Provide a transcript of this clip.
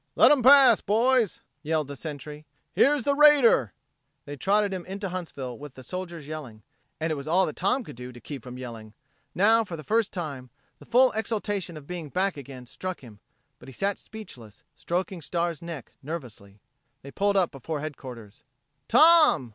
"Let 'em past, boys," yelled the Sentry. "Here's the raider!" They trotted into Huntsville with the soldiers yelling. And it was all that Tom could do to keep from yelling. Now, for the first time, the full exultation of being back again struck him; but he sat speechless, stroking Star's neck nervously. They pulled up before headquarters. "Tom!"